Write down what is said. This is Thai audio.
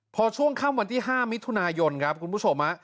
พอช่วงค่ำวันที่๕มิถุนายนครับคุณผู้ชม